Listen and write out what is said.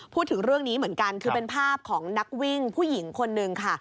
พูดถึงเรื่องนี้เหมือนกันคือเป็นภาพของนักวิ่งผู้หญิงคนนึงค่ะ